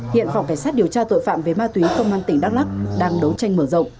hiện phòng cảnh sát điều tra tội phạm về ma túy công an tỉnh đắk lắc đang đấu tranh mở rộng